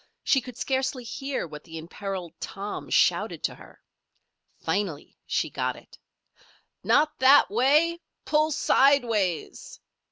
She could scarcely hear what the imperiled Tom shouted to her. Finally she got it: "Not that way! Pull sideways!"